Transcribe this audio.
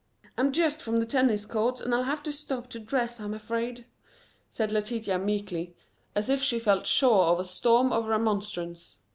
"I'm just from the tennis courts and I'll have to stop to dress, I'm afraid," said Letitia meekly, as if she felt sure of a storm of remonstrance.